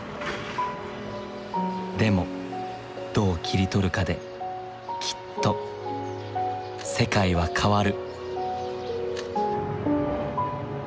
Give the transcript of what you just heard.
でもどう切り取るかできっと世界は変わる。